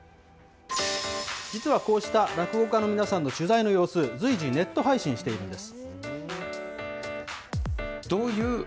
実はこうした落語家の皆さんの取材の様子、随時、ネット配信しているんです。